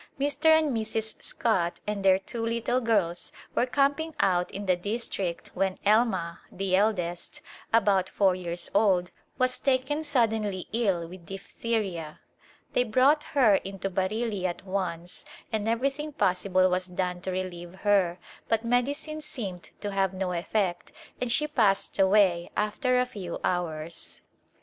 Mr. and Mrs. Scott and their two little girls were camping out in the district when Elma, the eldest, about four years old, was taken suddenly ill with diphtheria. They brought her in to Bareilly at once and everything possible was done to relieve her but medicines seemed to have no effect and she passed away after a few hours.